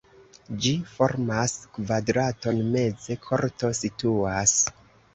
Ĝi formas kvadraton, meze korto situas.